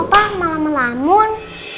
kok opah malah melamun